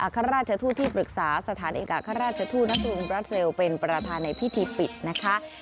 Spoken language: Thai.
ข้าราชทูตที่ปรึกษาสถานเอกอัครราชทูตณกรุงบราเซลเป็นประธานในพิธีปิดนะคะ